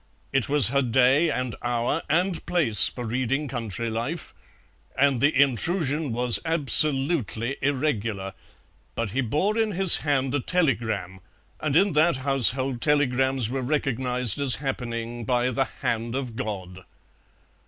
It was her day and hour and place for reading Country Life, and the intrusion was absolutely irregular; but he bore in his hand a telegram, and in that household telegrams were recognized as happening by the hand of God.